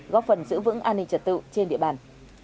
góp phần giữ vững an ninh trật tự trên địa bàn